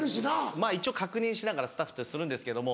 まぁ一応確認しながらスタッフとするんですけども。